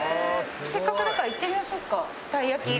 せっかくだから行ってみましょうかたい焼き。